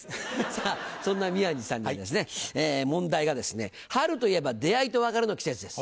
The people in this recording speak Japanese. さぁそんな宮治さんにはですね問題がですね春といえば出会いと別れの季節です。